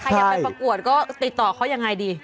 อยากไปประกวดก็ติดต่อเขายังไงดี